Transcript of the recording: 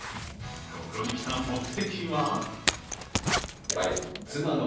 ここに来た目的は？